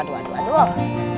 aduh aduh aduh